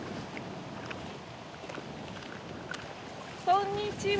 こんにちは。